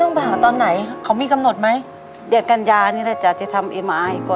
อยู่ตรงไหนอะคะหลีก